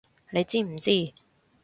你知唔知！